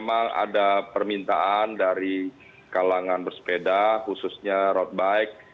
memang ada permintaan dari kalangan bersepeda khususnya road bike